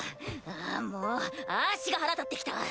ああもうあしが腹立ってきた。